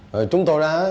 rồi chúng tôi đã